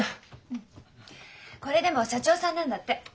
これでも社長さんなんだって。